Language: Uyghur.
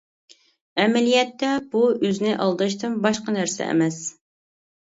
ئەمەلىيەتتە بۇ ئۆزىنى ئالداشتىن باشقا نەرسە ئەمەس.